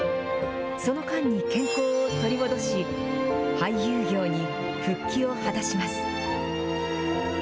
その間に健康を取り戻し、俳優業に復帰を果たします。